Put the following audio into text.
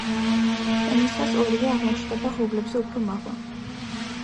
ფრენისას ორივე აღმოჩნდება ღრუბლებზე უფრო მაღლა.